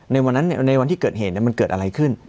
ในวันที่เกิดเหตุมันเกิดอะไรขึ้น